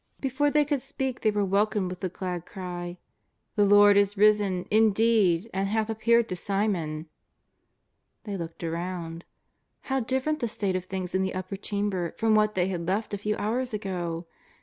Before they could speak they were welcomed with the glad cry: " The Lord is risen, indeed, and hath appeared to Simon !'^ They looked around. How different the state of things in the Upper Chamber from what they had left a few hours ago